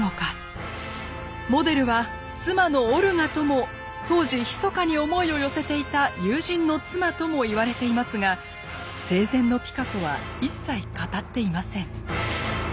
モデルは妻のオルガとも当時ひそかに思いを寄せていた友人の妻とも言われていますが生前のピカソは一切語っていません。